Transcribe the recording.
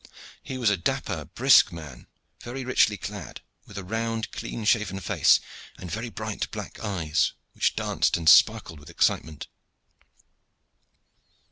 He was a dapper, brisk man, very richly clad, with a round, clean shaven face, and very bright black eyes, which danced and sparkled with excitement.